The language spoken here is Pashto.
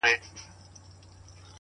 زه مي د ميني په نيت وركړمه زړه!